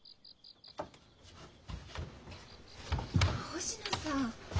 星野さん。